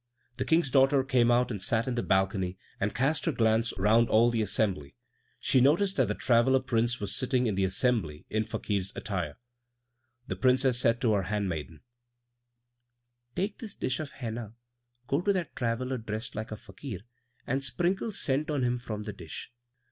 The King's daughter came out and sat in the balcony, and cast her glance round all the assembly. She noticed that the traveller Prince was sitting in the assembly in Fakir's attire. The Princess said to her handmaiden, "Take this dish of henna, go to that traveller dressed like a Fakir, and sprinkle scent on him from the dish."